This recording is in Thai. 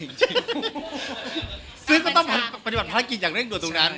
ซึ่งก็ควบวินไปเลยจริงซึ่งก็ต้องปฏิบัติภารกิจอย่างเรื่องตรวจตรงนั้น